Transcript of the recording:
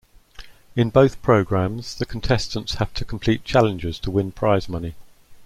In both programmes the contestants have to complete challenges to win prize money.